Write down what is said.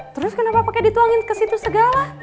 terus kenapa pakai dituangin kesitu segala